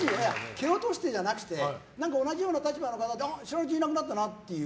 蹴落としてじゃなくて同じような立場の方でいなくなったなっていう。